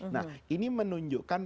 nah ini menunjukkan